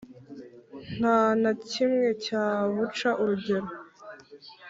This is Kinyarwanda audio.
nta na kimwe cyabuca urugero